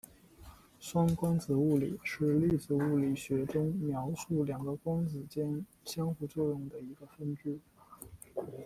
双光子物理是粒子物理学中描述两个光子间相互作用的一个分支。